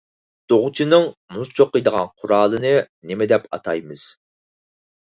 دوغچىنىڭ مۇز چوقۇيدىغان قورالىنى نېمە دەپ ئاتايمىز؟